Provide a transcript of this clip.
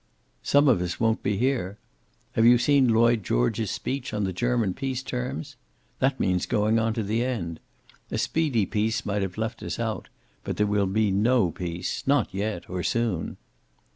"Some of us won't be here. Have you seen Lloyd George's speech on the German peace terms? That means going on to the end. A speedy peace might have left us out, but there will be no peace. Not yet, or soon."